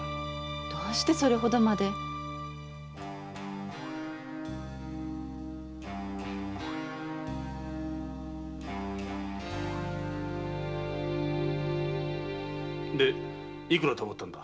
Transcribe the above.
どうしてそれほどまで？でいくら貯まったんだ？